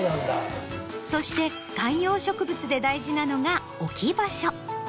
そして観葉植物で大事なのが置き場所。